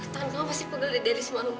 tentang kamu pasti pegal dari semalam